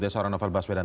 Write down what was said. seorang novel baswedan